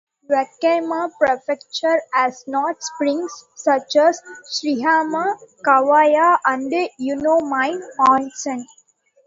Wakayama Prefecture has hot springs such as Shirahama, Kawayu, and Yunomine Onsen.